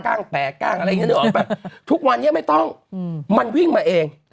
้างแตกกล้างอะไรอย่างนี้นึกออกป่ะทุกวันนี้ไม่ต้องมันวิ่งมาเอง